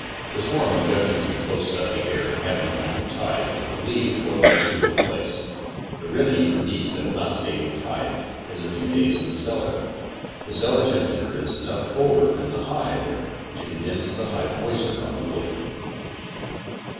The swarm objecting to the close stuffy air, and having no home ties, leave for a more suitable place. The remedy for bees that will not stay hived is a few days in the cellar. The cellar temper ature is enough colder than the hive a'r to condense the hive mois ture on the wood.